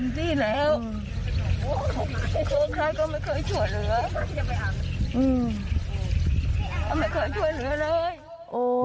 ไม่เคยช่วยเหลือเลย